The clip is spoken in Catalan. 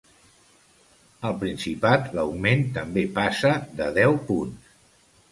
Al Principat l’augment també passa de deu punts.